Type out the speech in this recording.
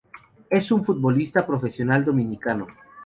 Es un futbolista profesional dominicano.